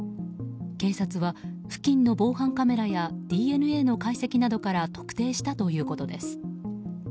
警察は付近の防犯カメラやＤＮＡの解析などから特定したということです。